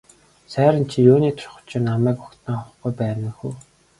Сайран чи юуны учир намайг угтан авахгүй байна вэ хө.